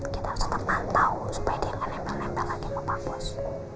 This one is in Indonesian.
kita harus tetap mantau supaya dia gak nempel nempel lagi ke papus